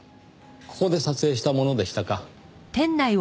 ここで撮影したものでしたか。